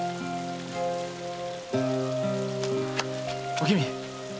おきみ！